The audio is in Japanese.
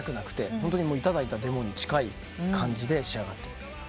ホントに頂いたデモに近い感じで仕上がってます。